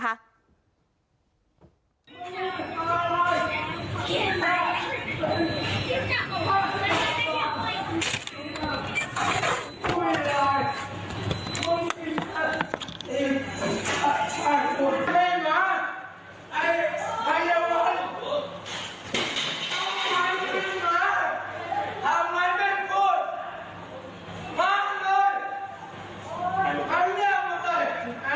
ทำลายเป็นควรมากเลยทำให้ยากกว่าใจ